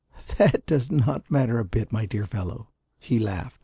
"That does not matter a bit, my dear fellow," he laughed.